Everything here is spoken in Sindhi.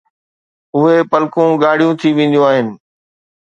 اهي پلڪون ڳاڙهيون ٿي وينديون آهن